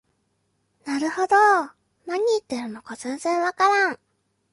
なるほど、何言ってるのか全然わからん